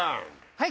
はい！